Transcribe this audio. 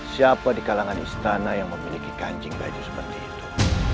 siapa di kalangan istana yang memiliki kancing baju seperti itu